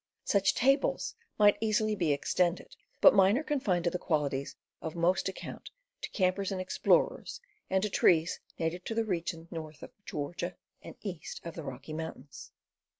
Such tables might easily be extended, but mine are confined to the qualities of most account to campers and explorers, and to trees native to the region north of Georgia and east of the Rocky Mountains.